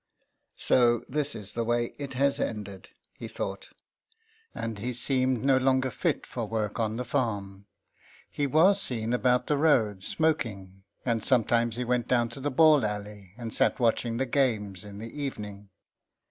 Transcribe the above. " So this is the way it has ended," he thought. And he seemed no longer fit for work on the farm. He was seen about the road smoking, and sometimes 129 I THE EXILE. he went down to the ball alley, and sat watching the games in the evening.